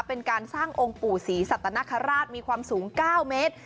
เป็นการสร้างองค์ปู่ศรีสัตนคราชมีความสูง๙เมตร